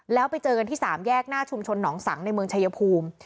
แล้วไปเจอกันที่๓แยกหน้าชุมชนหนองสังในเมืองชายภูมิ